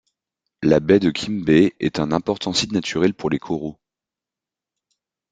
La baie de Kimbe est un important site naturel pour les coraux.